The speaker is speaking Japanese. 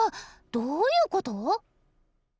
どういうこと？